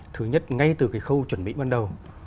thứ nhất ngay từ cái khâu chuẩn bị ban đầu